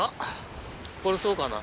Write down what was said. これそうかな？